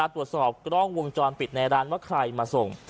ตรวจสอบกล้องวงจรปิดในร้านว่าใครมาส่ง